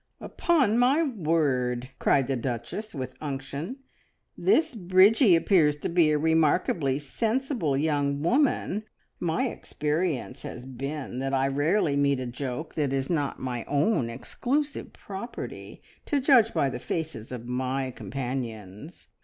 "Upon my word," cried the Duchess with unction, "this Bridgie appears to be a remarkably sensible young woman! My experience has been that I rarely meet a joke that is not my own exclusive property, to judge by the faces of my companions.